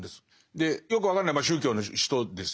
でよく分かんない宗教の人ですよね。